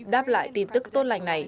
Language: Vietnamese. đáp lại tin tức tôn lành này